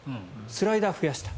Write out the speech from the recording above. スライダーを増やした。